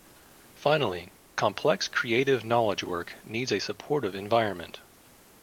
Finally, complex creative knowledge work needs a supportive environment.